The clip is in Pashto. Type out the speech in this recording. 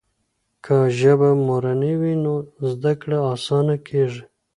که ژبه مورنۍ وي نو زده کړه اسانه کېږي.